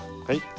はい。